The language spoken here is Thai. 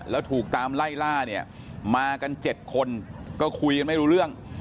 แล้วถูกตามไล่ล่าเนี่ยมากัน๗คนก็คุยกันไม่รู้เรื่อง